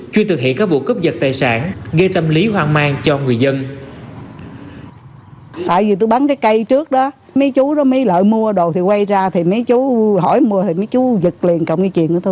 chưa thực hiện các vụ cướp vật tài sản gây tâm lý hoang mang cho người dân